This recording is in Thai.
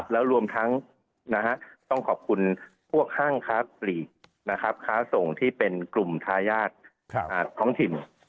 แล้วรวมทั้งต้องขอบคุณพวกห้างค้าปลีกค้าส่งที่เป็นกลุ่มทายาทท้องถิ่น